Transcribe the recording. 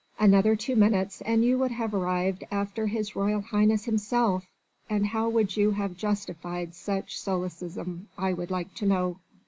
Another two minutes and you would have arrived after His Royal Highness himself: and how would you have justified such solecism, I would like to know."